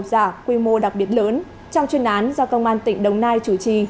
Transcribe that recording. giả quy mô đặc biệt lớn trong chuyên án do công an tỉnh đồng nai chủ trì